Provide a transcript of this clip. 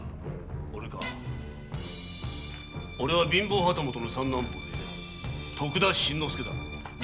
おれかおれは貧乏旗本の三男坊で徳田新之助だ。